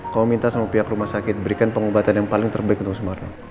kau minta sama pihak rumah sakit berikan pengobatan yang paling terbaik untuk sumarno